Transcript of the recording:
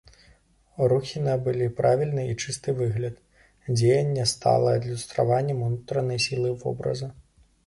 Рухі набылі правільны і чысты выгляд, дзеянне стала адлюстраваннем унутранай сілы вобраза.